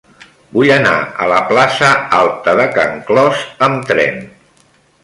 Vull anar a la plaça Alta de Can Clos amb tren.